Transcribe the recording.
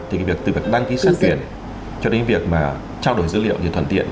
thì cái việc từ vật đăng ký xét tuyển cho đến việc mà trao đổi dữ liệu thì thuận tiện